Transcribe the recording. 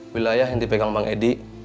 wilayah yang dipegang bang edi